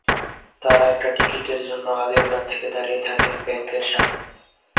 তাঁরা একটা টিকিটের জন্য আগের রাত থেকে দাঁড়িয়ে থাকেন ব্যাংকের সামনে।